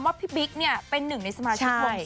ว่าพี่บิ๊กมันเป็นหนึ่งในสมาชิกวง